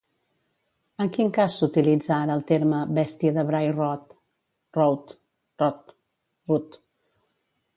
En quin cas s'utilitza ara el terme Bèstia de Bray Road?